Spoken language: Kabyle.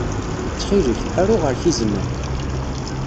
Ttxil-k, aru ɣer-k izen-a.